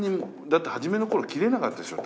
だって初めの頃切れなかったでしょ？